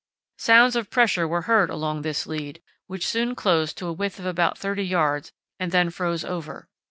Sounds of pressure were heard along this lead, which soon closed to a width of about 30 yds. and then froze over.